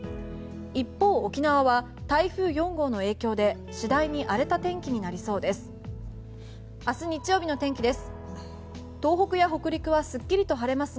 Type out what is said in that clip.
一方、沖縄は台風４号の影響で次第に荒れた天気になりそうです。